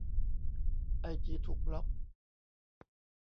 ไอจีถูกบล็อก